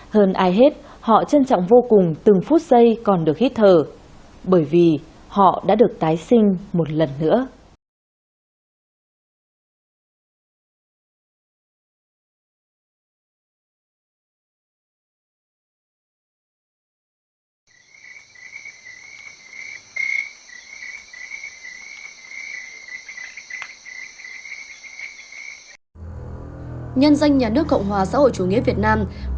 hơn ai hết họ trân trọng vô cùng từng phút giây còn được hít thở bởi vì họ đã được tái sinh một lần nữa